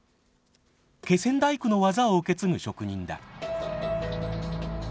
気仙大工の技を受け継ぐ職人だ。